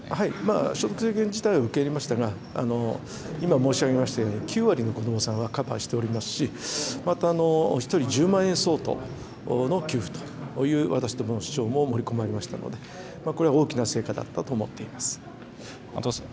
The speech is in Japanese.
所得制限自体は受け入れましたが、今申し上げましたように、９割の子どもさんはカバーしておりますし、また１人１０万円相当の給付という私どもの主張も盛り込まれましたので、これは大きな成果だったと思っています。